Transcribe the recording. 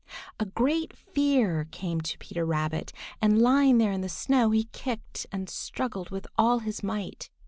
A great fear came to Peter Rabbit, and lying there in the snow, he kicked and struggled with all his might.